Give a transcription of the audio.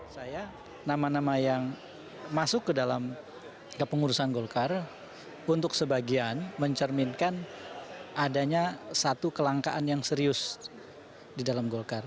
saya nama nama yang masuk ke dalam kepengurusan golkar untuk sebagian mencerminkan adanya satu kelangkaan yang serius di dalam golkar